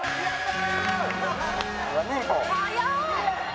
速い！